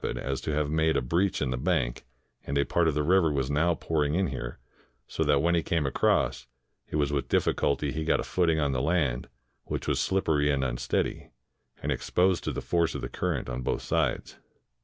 83 INDIA as to have made a breach in the bank, and a part of the river was now pouring in here, so that when he came across, it was with difficulty he got a footing on the land, which was sUppery and unsteady, and exposed to the force of the currents on both sides.